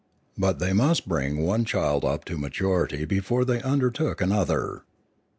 But they must bring one child up to maturity before they undertook another.